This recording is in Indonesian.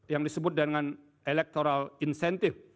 yang disebut dengan electoral incentive